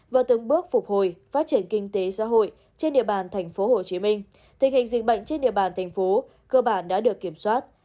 và từng bước phục hồi phát triển kinh tế xã hội trên địa bàn tp hcm tình hình dịch bệnh trên địa bàn thành phố cơ bản đã được kiểm soát